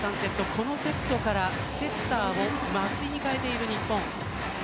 このセットからセッターを松井に代えている日本。